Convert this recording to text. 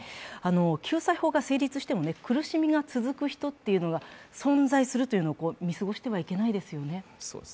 救済法が成立しても苦しみが続く人というのが存在するのを見過ごしてはいけないですよね。